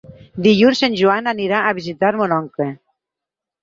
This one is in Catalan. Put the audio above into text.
Dilluns en Joan anirà a visitar mon oncle.